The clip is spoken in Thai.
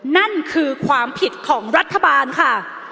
นั่นคือความผิดของรัฐบาลค่ะ